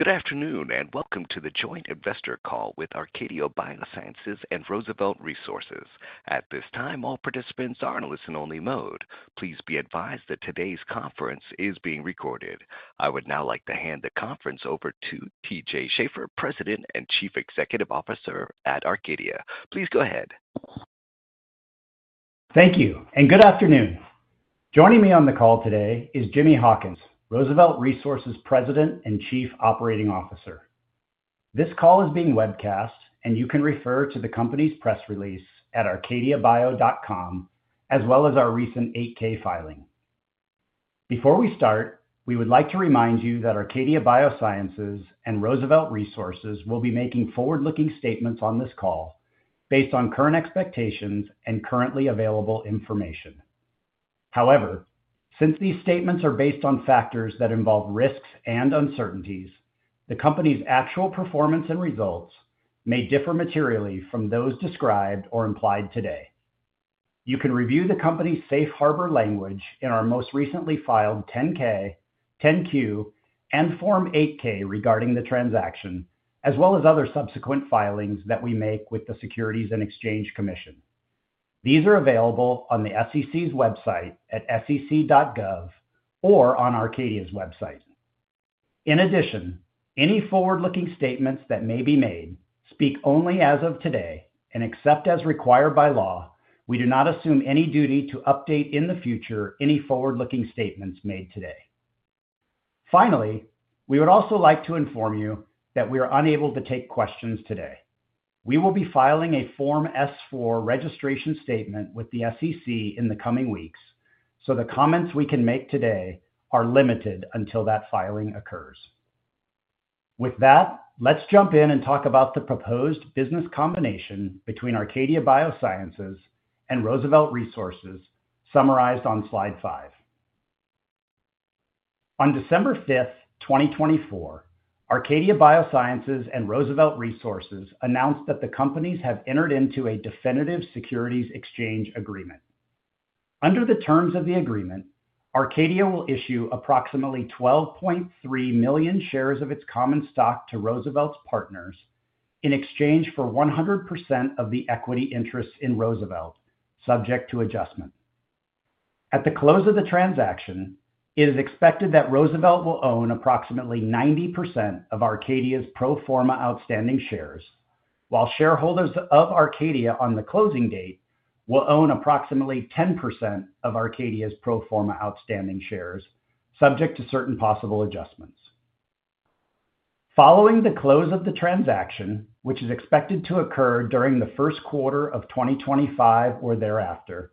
Good afternoon and welcome to the joint investor call with Arcadia Biosciences and Roosevelt Resources. At this time, all participants are in listen-only mode. Please be advised that today's conference is being recorded. I would now like to hand the conference over to T.J. Schaefer, President and Chief Executive Officer at Arcadia. Please go ahead. Thank you and good afternoon. Joining me on the call today is Jimmy Hawkins, Roosevelt Resources President and Chief Operating Officer. This call is being webcast, and you can refer to the company's press release at arcadiabio.com, as well as our recent 8-K filing. Before we start, we would like to remind you that Arcadia Biosciences and Roosevelt Resources will be making forward-looking statements on this call based on current expectations and currently available information. However, since these statements are based on factors that involve risks and uncertainties, the company's actual performance and results may differ materially from those described or implied today. You can review the company's safe harbor language in our most recently filed 10-K, 10-Q, and Form 8-K regarding the transaction, as well as other subsequent filings that we make with the Securities and Exchange Commission. These are available on the SEC's website at sec.gov or on Arcadia's website. In addition, any forward-looking statements that may be made speak only as of today and, except as required by law, we do not assume any duty to update in the future any forward-looking statements made today. Finally, we would also like to inform you that we are unable to take questions today. We will be filing a Form S-4 registration statement with the SEC in the coming weeks, so the comments we can make today are limited until that filing occurs. With that, let's jump in and talk about the proposed business combination between Arcadia Biosciences and Roosevelt Resources, summarized on slide five. On December 5th, 2024, Arcadia Biosciences and Roosevelt Resources announced that the companies have entered into a definitive securities exchange agreement. Under the terms of the agreement, Arcadia will issue approximately 12.3 million shares of its common stock to Roosevelt's partners in exchange for 100% of the equity interests in Roosevelt, subject to adjustment. At the close of the transaction, it is expected that Roosevelt will own approximately 90% of Arcadia's pro forma outstanding shares, while shareholders of Arcadia on the closing date will own approximately 10% of Arcadia's pro forma outstanding shares, subject to certain possible adjustments. Following the close of the transaction, which is expected to occur during the first quarter of 2025 or thereafter,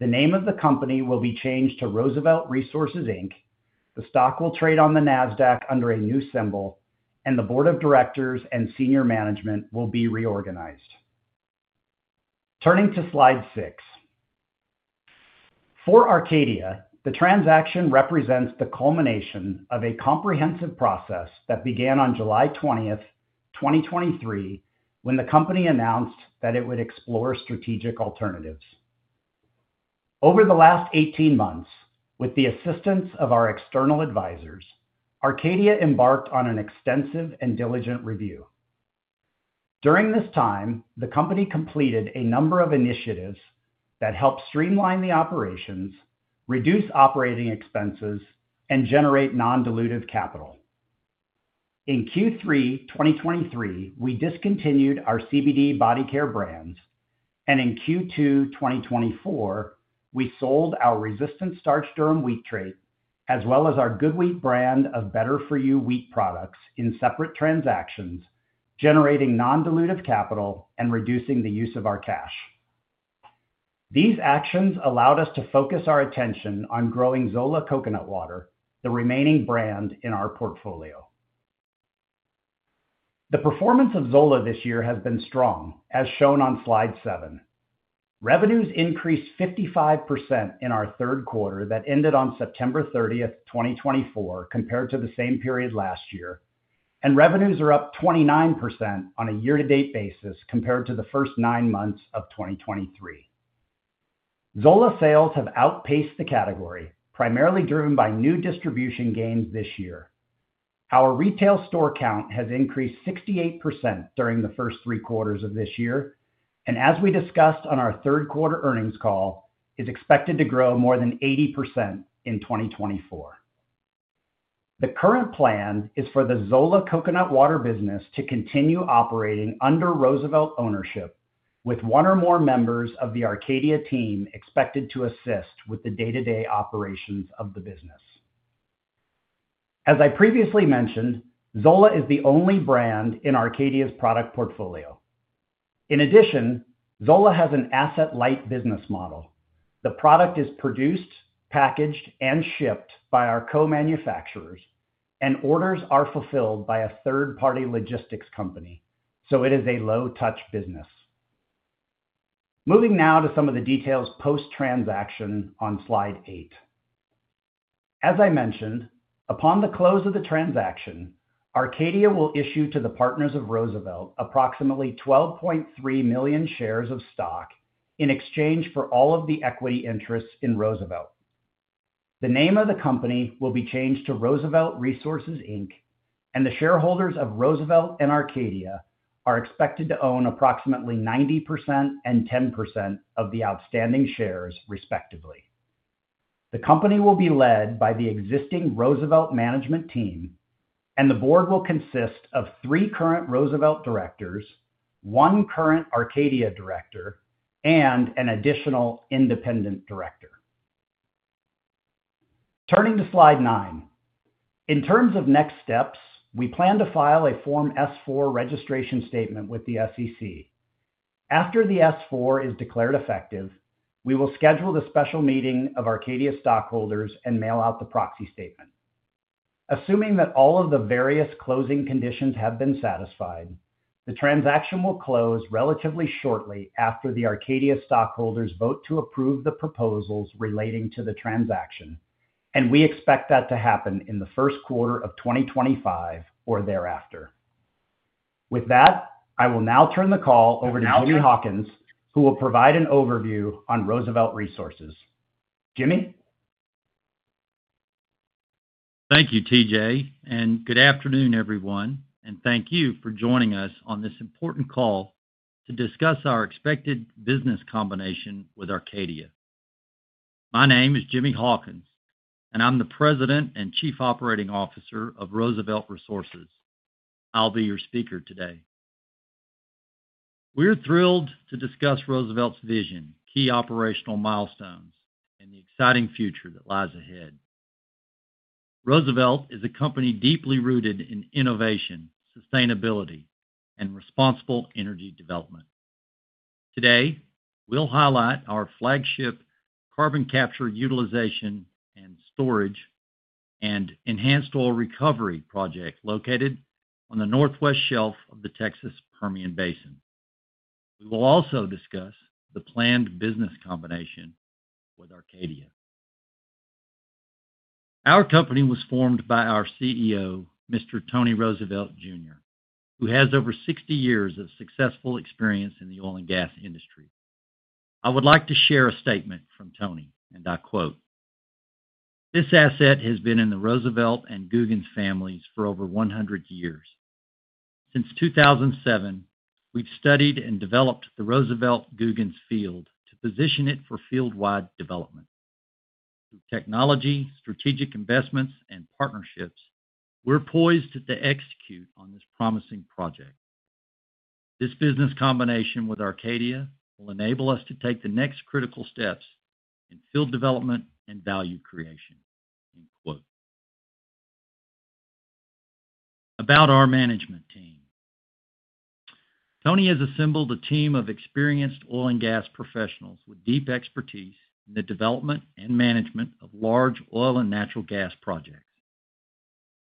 the name of the company will be changed to Roosevelt Resources, Inc. The stock will trade on the NASDAQ under a new symbol, and the board of directors and senior management will be reorganized. Turning to slide six, for Arcadia, the transaction represents the culmination of a comprehensive process that began on July 20th, 2023, when the company announced that it would explore strategic alternatives. Over the last 18 months, with the assistance of our external advisors, Arcadia embarked on an extensive and diligent review. During this time, the company completed a number of initiatives that helped streamline the operations, reduce operating expenses, and generate non-dilutive capital. In Q3 2023, we discontinued our CBD body care brands, and in Q2 2024, we sold our resistant starch, durum, wheat trait, as well as our GoodWheat brand of Better For You wheat products in separate transactions, generating non-dilutive capital and reducing the use of our cash. These actions allowed us to focus our attention on growing Zola Coconut Water, the remaining brand in our portfolio. The performance of Zola this year has been strong, as shown on slide seven. Revenues increased 55% in our third quarter that ended on September 30th, 2024, compared to the same period last year, and revenues are up 29% on a year-to-date basis compared to the first nine months of 2023. Zola sales have outpaced the category, primarily driven by new distribution gains this year. Our retail store count has increased 68% during the first three quarters of this year, and as we discussed on our third quarter earnings call, is expected to grow more than 80% in 2024. The current plan is for the Zola Coconut Water business to continue operating under Roosevelt ownership, with one or more members of the Arcadia team expected to assist with the day-to-day operations of the business. As I previously mentioned, Zola is the only brand in Arcadia's product portfolio. In addition, Zola has an asset-light business model. The product is produced, packaged, and shipped by our co-manufacturers, and orders are fulfilled by a third-party logistics company, so it is a low-touch business. Moving now to some of the details post-transaction on slide eight. As I mentioned, upon the close of the transaction, Arcadia will issue to the partners of Roosevelt approximately 12.3 million shares of stock in exchange for all of the equity interests in Roosevelt. The name of the company will be changed to Roosevelt Resources, Inc., and the shareholders of Roosevelt and Arcadia are expected to own approximately 90% and 10% of the outstanding shares, respectively. The company will be led by the existing Roosevelt management team, and the board will consist of three current Roosevelt directors, one current Arcadia director, and an additional independent director. Turning to slide nine, in terms of next steps, we plan to file a Form S-4 registration statement with the SEC. After the S-4 is declared effective, we will schedule the special meeting of Arcadia stockholders and mail out the proxy statement. Assuming that all of the various closing conditions have been satisfied, the transaction will close relatively shortly after the Arcadia stockholders vote to approve the proposals relating to the transaction, and we expect that to happen in the first quarter of 2025 or thereafter. With that, I will now turn the call over to Jimmy Hawkins, who will provide an overview on Roosevelt Resources. Jimmy. Thank you, T.J., and good afternoon, everyone, and thank you for joining us on this important call to discuss our expected business combination with Arcadia. My name is Jimmy Hawkins, and I'm the President and Chief Operating Officer of Roosevelt Resources. I'll be your speaker today. We're thrilled to discuss Roosevelt's vision, key operational milestones, and the exciting future that lies ahead. Roosevelt is a company deeply rooted in innovation, sustainability, and responsible energy development. Today, we'll highlight our flagship carbon capture utilization and storage and enhanced oil recovery project located on the Northwest Shelf of the Texas Permian Basin. We will also discuss the planned business combination with Arcadia. Our company was formed by our CEO, Mr. Tony Roosevelt Jr., who has over 60 years of successful experience in the oil and gas industry. I would like to share a statement from Tony, and I quote, "This asset has been in the Roosevelt and Googins families for over 100 years. Since 2007, we've studied and developed the Roosevelt-Googins field to position it for field-wide development. Through technology, strategic investments, and partnerships, we're poised to execute on this promising project. This business combination with Arcadia will enable us to take the next critical steps in field development and value creation." About our management team, Tony has assembled a team of experienced oil and gas professionals with deep expertise in the development and management of large oil and natural gas projects.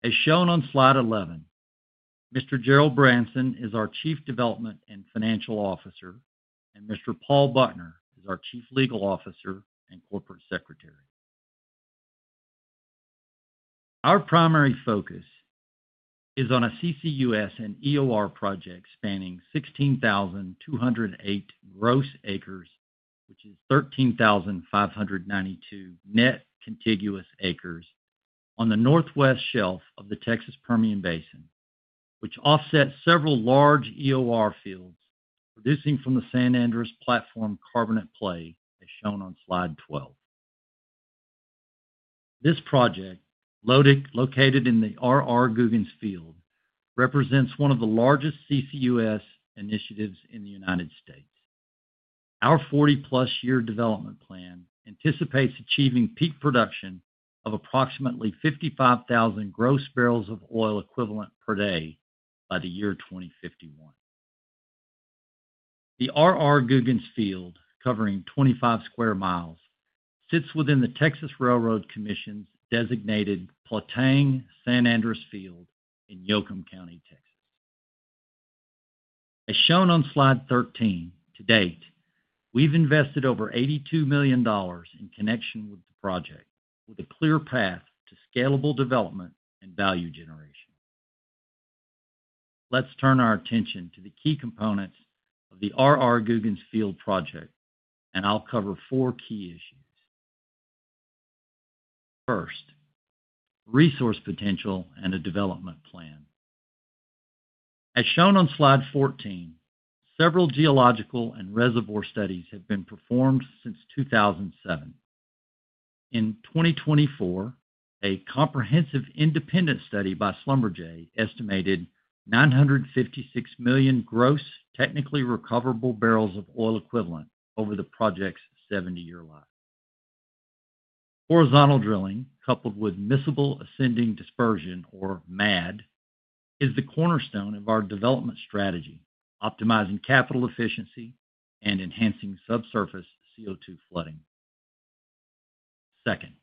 As shown on slide 11, Mr. Gerald Branson is our Chief Development and Financial Officer, and Mr. Paul Buckner is our Chief Legal Officer and Corporate Secretary. Our primary focus is on a CCUS and EOR project spanning 16,208 gross acres, which is 13,592 net contiguous acres on the Northwest Shelf of the Texas Permian Basin, which offsets several large EOR fields producing from the San Andres Platform carbonate play, as shown on slide 12. This project, located in the R.R. Googins field, represents one of the largest CCUS initiatives in the United States. Our 40-plus year development plan anticipates achieving peak production of approximately 55,000 gross barrels of oil equivalent per day by the year 2051. The R.R. Googins field, covering 25 sq mi, sits within the Texas Railroad Commission's designated Platang, San Andres field in Yoakum County, Texas. As shown on slide 13, to date, we've invested over $82 million in connection with the project, with a clear path to scalable development and value generation. Let's turn our attention to the key components of the R.R. Googins field project, and I'll cover four key issues. First, resource potential and a development plan. As shown on slide 14, several geological and reservoir studies have been performed since 2007. In 2024, a comprehensive independent study by Schlumberger estimated 956 million gross technically recoverable barrels of oil equivalent over the project's 70-year life. Horizontal drilling, coupled with miscible ascending dispersion, or MAD, is the cornerstone of our development strategy, optimizing capital efficiency and enhancing subsurface CO2 flooding. Second,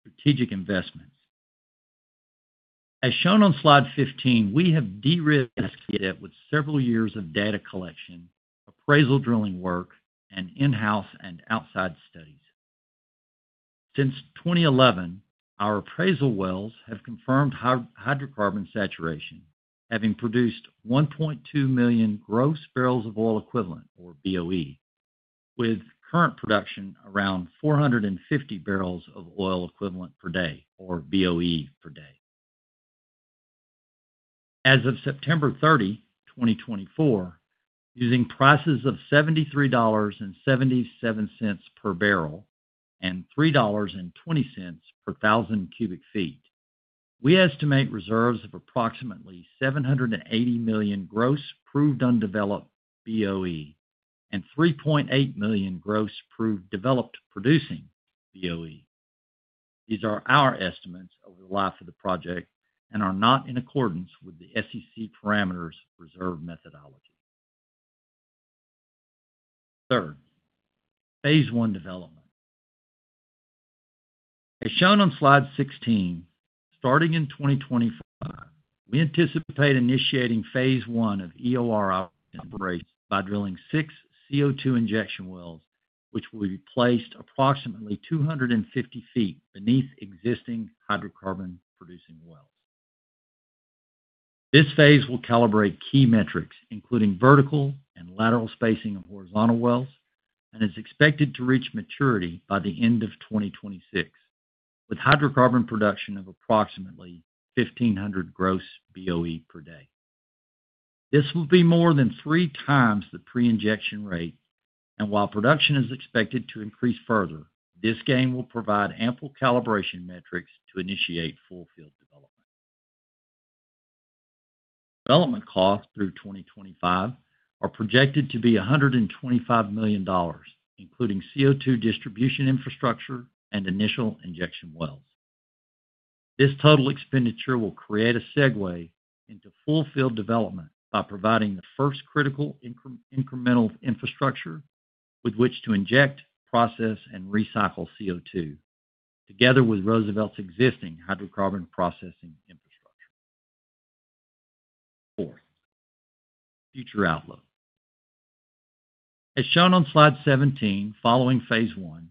strategic investments. As shown on slide 15, we have de-risked it with several years of data collection, appraisal drilling work, and in-house and outside studies. Since 2011, our appraisal wells have confirmed hydrocarbon saturation, having produced 1.2 million gross barrels of oil equivalent, or BOE, with current production around 450 barrels of oil equivalent per day, or BOE, per day. As of September 30, 2024, using prices of $73.77 per barrel and $3.20 per 1,000 cubic feet, we estimate reserves of approximately 780 million gross proved undeveloped BOE and 3.8 million gross proved developed producing BOE. These are our estimates over the life of the project and are not in accordance with the SEC parameters reserve methodology. Third, phase one development. As shown on slide 16, starting in 2025, we anticipate initiating phase one of EOR operations by drilling six CO2 injection wells, which will be placed approximately 250 feet beneath existing hydrocarbon producing wells. This phase will calibrate key metrics, including vertical and lateral spacing of horizontal wells, and is expected to reach maturity by the end of 2026, with hydrocarbon production of approximately 1,500 gross BOE per day. This will be more than three times the pre-injection rate, and while production is expected to increase further, this gain will provide ample calibration metrics to initiate full field development. Development costs through 2025 are projected to be $125 million, including CO2 distribution infrastructure and initial injection wells. This total expenditure will create a segue into full field development by providing the first critical incremental infrastructure with which to inject, process, and recycle CO2, together with Roosevelt's existing hydrocarbon processing infrastructure. Fourth, future outlook. As shown on slide 17, following phase one,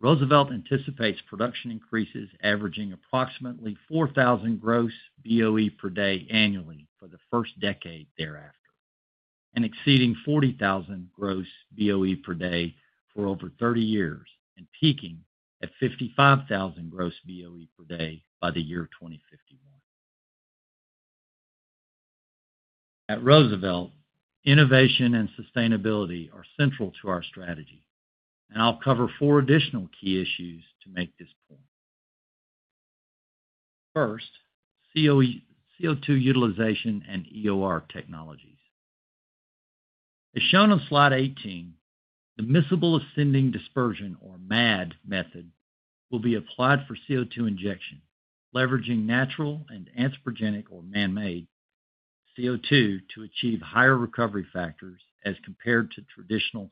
Roosevelt anticipates production increases averaging approximately 4,000 gross BOE per day annually for the first decade thereafter, and exceeding 40,000 gross BOE per day for over 30 years, and peaking at 55,000 gross BOE per day by the year 2051. At Roosevelt, innovation and sustainability are central to our strategy, and I'll cover four additional key issues to make this point. First, CO2 utilization and EOR technologies. As shown on slide 18, the miscible ascending dispersion, or MAD, method will be applied for CO2 injection, leveraging natural and anthropogenic, or man-made, CO2 to achieve higher recovery factors as compared to traditional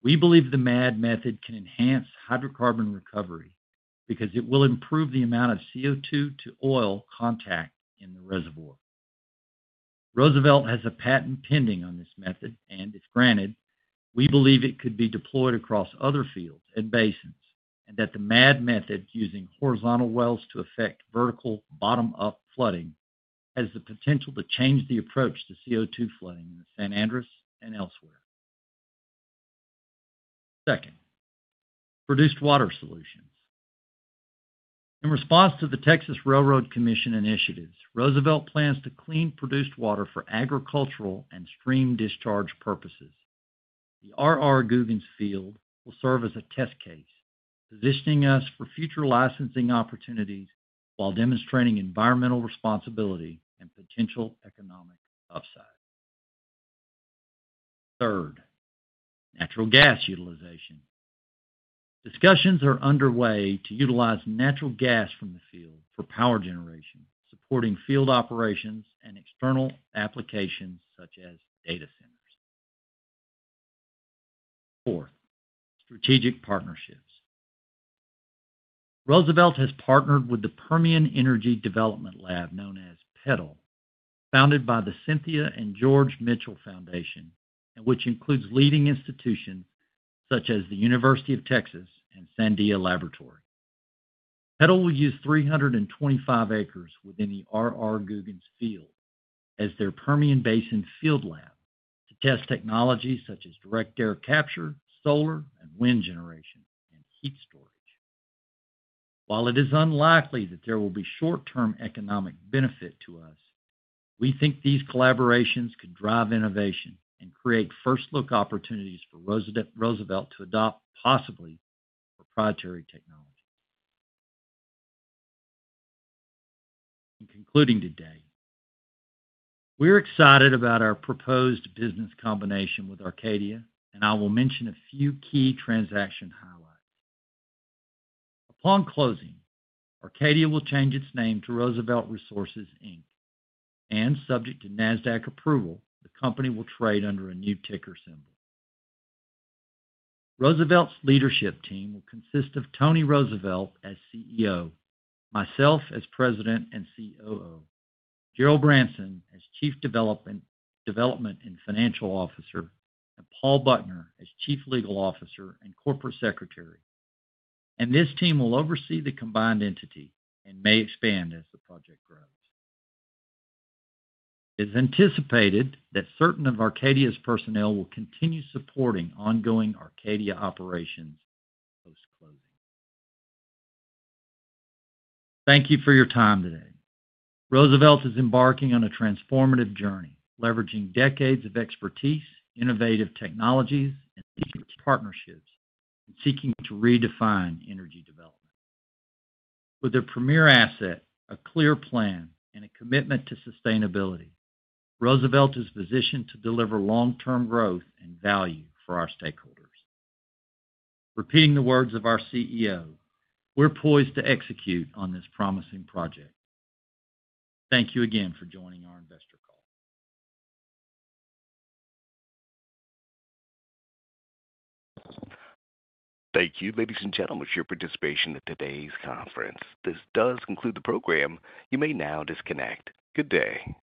CO2 floods. We believe the MAD method can enhance hydrocarbon recovery because it will improve the amount of CO2 to oil contact in the reservoir. Roosevelt has a patent pending on this method, and if granted, we believe it could be deployed across other fields and basins, and that the MAD method, using horizontal wells to affect vertical bottom-up flooding, has the potential to change the approach to CO2 flooding in the San Andres and elsewhere. Second, produced water solutions. In response to the Texas Railroad Commission initiatives, Roosevelt plans to clean produced water for agricultural and stream discharge purposes. The R.R. Googins field will serve as a test case, positioning us for future licensing opportunities while demonstrating environmental responsibility and potential economic upside. Third, natural gas utilization. Discussions are underway to utilize natural gas from the field for power generation, supporting field operations and external applications such as data centers. Fourth, strategic partnerships. Roosevelt has partnered with the Permian Energy Development Lab, known as PEDL, founded by the Cynthia and George Mitchell Foundation, and which includes leading institutions such as the University of Texas and Sandia National Laboratories. PEDL will use 325 acres within the R.R. Googins field as their Permian Basin field lab to test technologies such as direct air capture, solar and wind generation, and heat storage. While it is unlikely that there will be short-term economic benefit to us, we think these collaborations could drive innovation and create first-look opportunities for Roosevelt to adopt possibly proprietary technologies. In concluding today, we're excited about our proposed business combination with Arcadia, and I will mention a few key transaction highlights. Upon closing, Arcadia will change its name to Roosevelt Resources, Inc., and subject to NASDAQ approval, the company will trade under a new ticker symbol. Roosevelt's leadership team will consist of Tony Roosevelt as CEO, myself as President and COO, Gerald Branson as Chief Development and Financial Officer, and Paul Buckner as Chief Legal Officer and Corporate Secretary. And this team will oversee the combined entity and may expand as the project grows. It is anticipated that certain of Arcadia's personnel will continue supporting ongoing Arcadia operations post-closing. Thank you for your time today. Roosevelt is embarking on a transformative journey, leveraging decades of expertise, innovative technologies, and leadership partnerships, and seeking to redefine energy development. With a premier asset, a clear plan, and a commitment to sustainability, Roosevelt is positioned to deliver long-term growth and value for our stakeholders. Repeating the words of our CEO, we're poised to execute on this promising project. Thank you again for joining our investor call. Thank you, ladies and gentlemen, for your participation in today's conference. This does conclude the program. You may now disconnect. Good day.